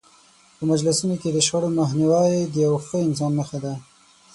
په مجلسونو کې د شخړو مخنیوی د یو ښه انسان نښه ده.